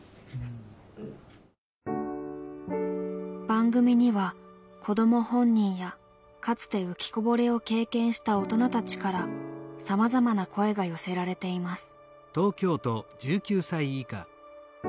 番組には子ども本人やかつて浮きこぼれを経験した大人たちからさまざまな声が寄せられています。